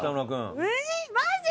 えーっマジ！？